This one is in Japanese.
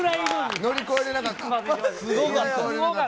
乗り越えれなかった？